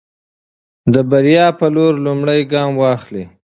د بریا په لور لومړی ګام واخلئ.